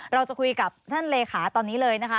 เราจะคุยกับท่านเลขาตอนนี้เลยนะคะ